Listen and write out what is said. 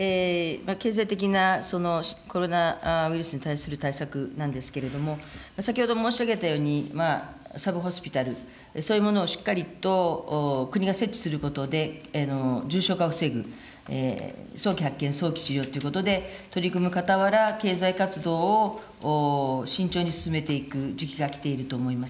経済的なコロナウイルスに対する対策なんですけれども、先ほど申し上げたように、サブホスピタル、そういうものをしっかりと国が設置することで、重症化を防ぐ、早期発見、早期治療ということで取り組むかたわら、経済活動を慎重に進めていく時期が来ていると思います。